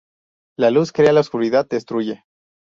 La Luz crea, la Oscuridad destruye.